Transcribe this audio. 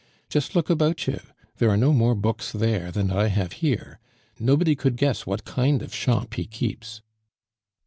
Just look about you! there are no more books there than I have here. Nobody could guess what kind of shop he keeps."